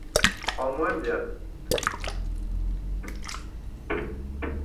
En moins bien.